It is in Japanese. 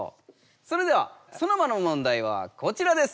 それではソノマの問題はこちらです。